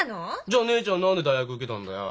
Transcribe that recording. じゃあ姉ちゃん何で大学受けたんだよ？